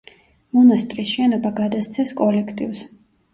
მონასტრის შენობა გადასცეს კოლექტივს.